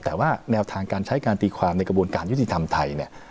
แต่ว่าแนวทางการใช้การตีความในกระบวนการยุติธรรมไทยเนี่ย